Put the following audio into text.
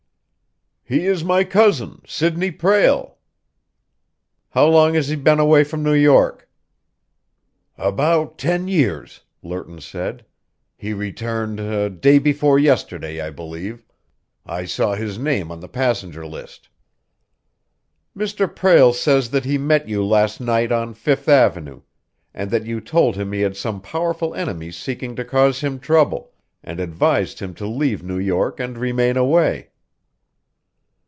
"He is my cousin, Sidney Prale." "How long has he been away from New York?" "About ten years," Lerton said. "He returned day before yesterday, I believe. I saw his name in the passenger list." "Mr. Prale says that he met you last night on Fifth Avenue, and that you told him he had some powerful enemies seeking to cause him trouble, and advised him to leave New York and remain away."